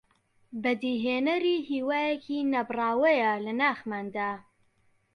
بەدیهێنەری هیوایەکی نەبڕاوەیە لە ناخماندا